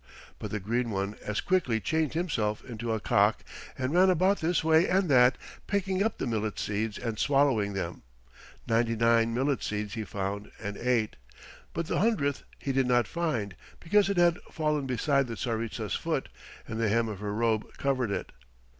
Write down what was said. But the Green One as quickly changed himself into a cock and ran about this way and that, pecking up the millet seeds and swallowing them. Ninety nine millet seeds he found and ate, but the hundredth he did not find, because it had fallen beside the Tsaritsa's foot, and the hem of her robe covered it.